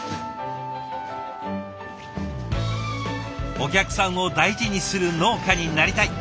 お客さんを大事にする農家になりたい。